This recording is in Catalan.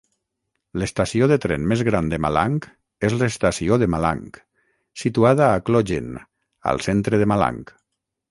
L'estació de tren més gran de Malang és l'Estació de Malang, situada a Klojen, al centre de Malang.